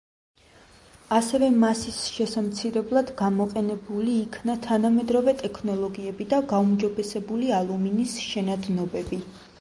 ასევე მასის შესამცირებლად გამოყენებული იქნა თანამედროვე ტექნოლოგიები და გაუმჯობესებული ალუმინის შენადნობები.